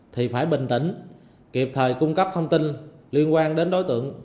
thì phải bình tĩnh kịp thời cung cấp thông tin liên quan đến đối tượng